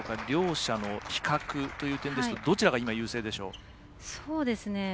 両者の比較という点ですとどちらが今、優勢でしょう？